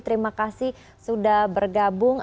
terima kasih sudah bergabung